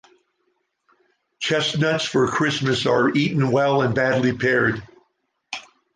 Chestnuts for Christmas are eaten well and badly paired.